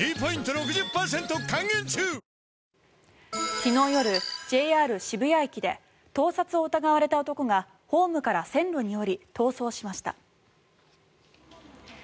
昨日夜、ＪＲ渋谷駅で盗撮を疑われた男がホームから線路に下り逃走しました。